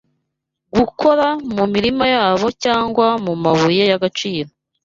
gukora mu mirima yabo cyangwa mu mabuye y’agaciro.”